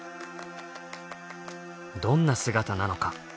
どんな姿なのか？